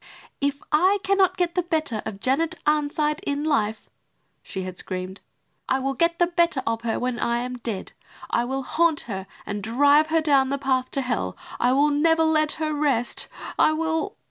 "If I cannot get the better of Janet Arnside in life," she had screamed, "I will get the better of her when I am dead. I will haunt her and drive her down the path to Hell, I will never let her rest, I will...."